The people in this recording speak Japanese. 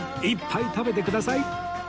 いっぱい食べてください